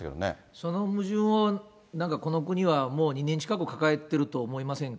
その矛盾をなんか、この国はもう２年近く抱えてると思いませんか？